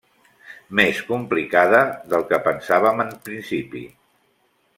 Més complicada del que pensàvem en principi.